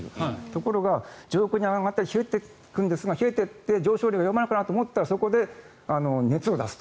ところが上空に上がると冷えるんですが冷えていって、上昇が弱まるかなと思ったらそこで熱を出す。